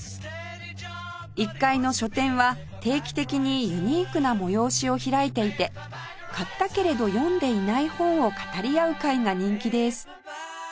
１階の書店は定期的にユニークな催しを開いていて買ったけれど読んでいない本を語り合う会が人気です